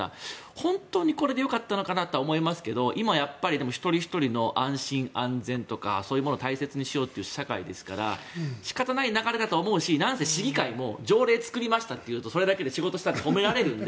本当にこれでよかったのかなと思いますけど今、やっぱりでも一人ひとりの安心安全とかそういうものを大切にしようという社会ですから仕方ない流れですがなんせ、市議会も条例を作りましたというとそれだけで仕事したって褒められるので。